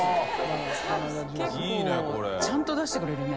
觜ちゃんと出してくれるね。